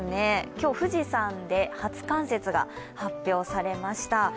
今日、富士山で初冠雪が発表されました。